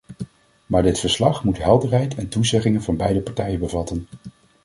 Maar dit verslag moet helderheid en toezeggingen van beide partijen bevatten.